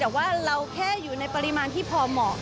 แต่ว่าเราแค่อยู่ในปริมาณที่พอเหมาะ